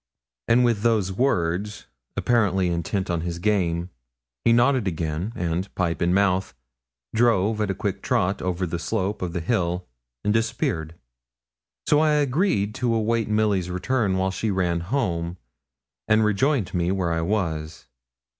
And with those words, apparently intent on his game, he nodded again, and, pipe in mouth, drove at a quick trot over the slope of the hill, and disappeared. So I agreed to await Milly's return while she ran home, and rejoined me where I was.